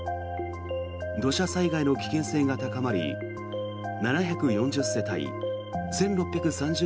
土砂災害の危険性が高まり７４０世帯１６３０